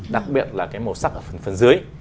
đặc biệt là cái màu sắc ở phần dưới